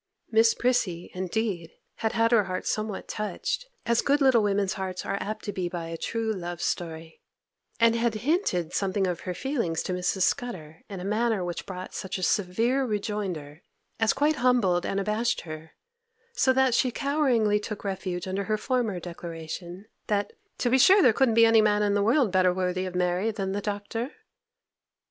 Miss Prissy, indeed, had had her heart somewhat touched, as good little women's hearts are apt to be by a true love story, and had hinted something of her feelings to Mrs. Scudder in a manner which brought such a severe rejoinder as quite humbled and abashed her, so that she coweringly took refuge under her former declaration, that 'to be sure there couldn't be any man in the world better worthy of Mary than the Doctor.